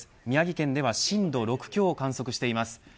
宮城県では震度６強を観測しています。